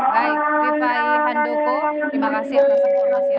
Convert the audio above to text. baik rifai handoko terima kasih atas informasinya